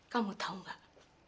kamu tahu nggak